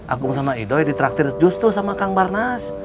aku sama idoi ditraktir justru sama kang barnas